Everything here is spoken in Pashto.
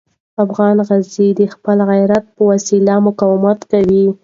افغان غازي د خپل غیرت په وسیله مقاومت کوي.